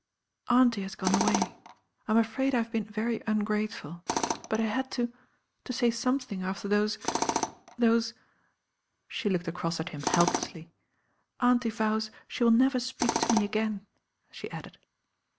"Auntie has gone away. I'm afraid I have been very ungrateful; but I had to— to say something after those— those " She looked across at him helplessly. "Auntie vows she will never speak to me again," she added.